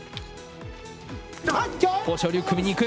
豊昇龍、組みにいく。